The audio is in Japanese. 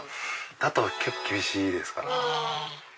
だと結構厳しいですかね。